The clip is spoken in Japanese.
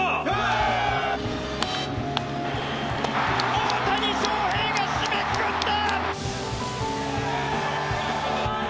大谷翔平が締めくくった！